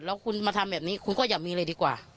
แล้วคุณมาทำแบบนี้คุณก็อย่ามีเลยดีกว่า